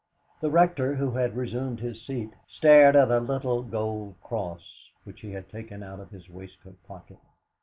The Rector, who had resumed his seat, stared at a little gold cross which he had taken out of his waistcoat pocket.